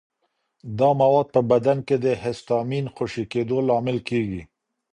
دا مواد په بدن کې د هسټامین خوشې کېدو لامل کېږي.